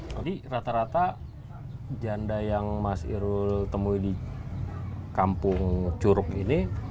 jadi rata rata janda yang mas wirul temui di kampung curug ini